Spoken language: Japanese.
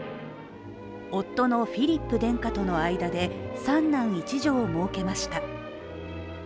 夫のフィリップ殿下との間で３男１女をもうけました。